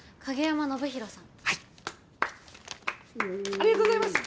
ありがとうございます。